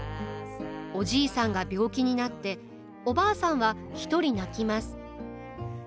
おじいさんが病気になっておばあさんは独り泣きます。